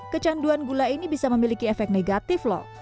kecanduan gula ini bisa memiliki efek negatif loh